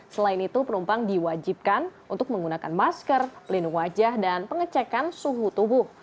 selain itu penumpang diwajibkan untuk menggunakan masker pelindung wajah dan pengecekan suhu tubuh